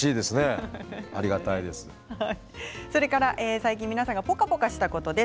最近、皆さんがポカポカしたことです。